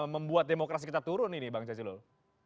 membuat demokrasi kita turun ini bang jazilul